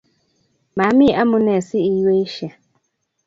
Mami amunee si iyweishe